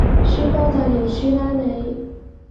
輸波就認輸啦你